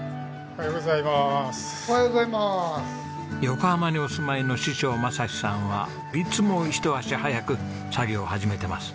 横浜にお住まいの師匠雅士さんはいつもひと足早く作業を始めてます。